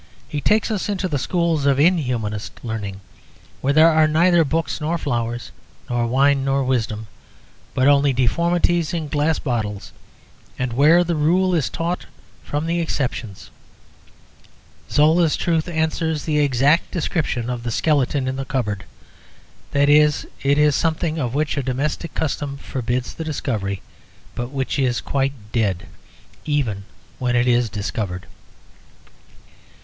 He takes us into the schools of inhumanist learning, where there are neither books nor flowers, nor wine nor wisdom, but only deformities in glass bottles, and where the rule is taught from the exceptions. Zola's truth answers the exact description of the skeleton in the cupboard; that is, it is something of which a domestic custom forbids the discovery, but which is quite dead, even when it is discovered.